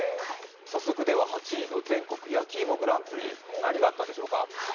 早速８位の全国やきいもグランプリ、何があったんでしょうか。